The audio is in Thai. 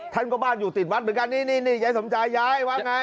ท่านก็บ้านอยู่ติดวัดเหมือนกันนี่นี่ยายสมใจยายวัดไง